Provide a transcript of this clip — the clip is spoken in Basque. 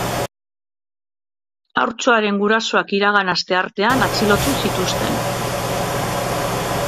Haurtxoaren gurasoak iragan asteartean atxilotu zituzten.